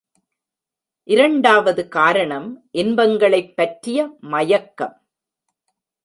இரண்டாவது காரணம் இன்பங்களைப் பற்றிய மயக்கம்.